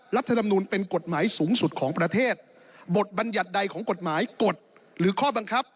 รัฐธรรมนูลเป็นกฎหมายสูงสุดของประเทศบทบัญญัติใดของกฎหมายกฎหรือข้อบังคับ